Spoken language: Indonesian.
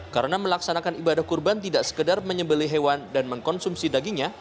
karena melaksanakan ibadah kurban tidak sekedar menyebelih hewan dan mengkonsumsi dagingnya